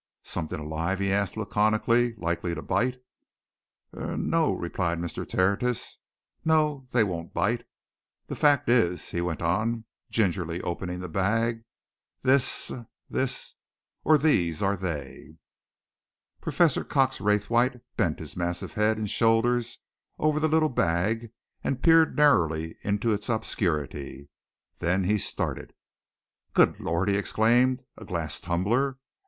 "Something alive?" he asked laconically. "Likely to bite?" "Er no!" replied Mr. Tertius. "No they won't bite. The fact is," he went on, gingerly opening the bag, "this er this, or these are they." Professor Cox Raythwaite bent his massive head and shoulders over the little bag and peered narrowly into its obscurity. Then he started. "Good Lord!" he exclaimed. "A glass tumbler!